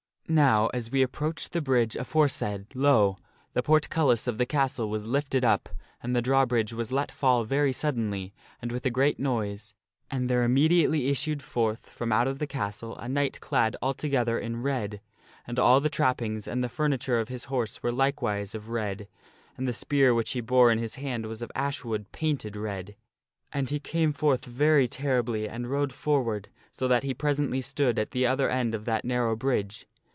" Now, as we approached the bridge aforesaid, lo ! the portcullis of the castle was lifted up and the drawbridge was let fall very suddenly and with a great noise, and there immediately issued forth from out of the castle a knight clad altogether in red. And all the trappings and the fur niture of his horse were likewise of red ; and the spear which he bore in his hand was of ash wood painted red. And he came forth very terribly, and rode forward so that he presently stood at the other end of that narrow bridge.